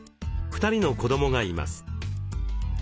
２人の子どもがいます。